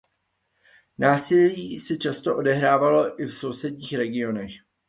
Násilí se často odehrávalo i v sousedních regionech.